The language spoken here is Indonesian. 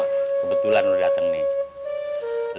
kebetulan lo dateng nih